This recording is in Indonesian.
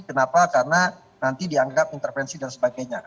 kenapa karena nanti dianggap intervensi dan sebagainya